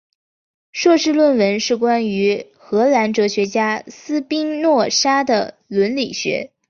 硕士论文是关于荷兰哲学家斯宾诺莎的伦理学。